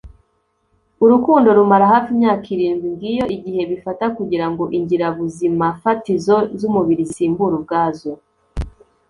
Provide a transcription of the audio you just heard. urukundo rumara hafi imyaka irindwi ngiyo igihe bifata kugira ngo ingirabuzimafatizo z'umubiri zisimbure ubwazo